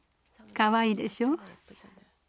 かわいいでしょう？